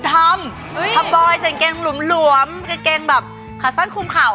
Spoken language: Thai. ทำบอยใส่เกงหลวมเกงแบบขาสั้นคลุมข่าว